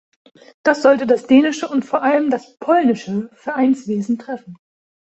Das sollte das dänische und vor allem das polnische Vereinswesen treffen.